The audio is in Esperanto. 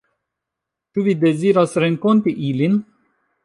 Ĉu vi deziras renkonti ilin?